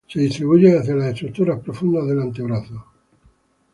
Se distribuye hacia las estructuras profundas del antebrazo.